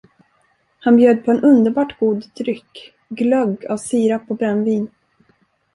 Han bjöd på en underbart god dryck, glögg av sirap och brännvin.